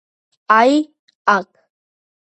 აი, აქ.